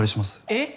えっ？